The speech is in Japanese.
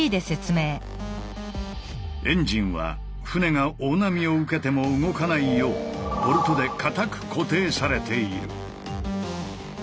エンジンは船が大波を受けても動かないようボルトで固く固定されている。